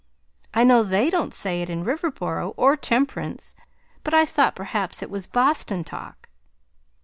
I know they don't say it in Riverboro or Temperance, but I thought perhaps it was Boston talk."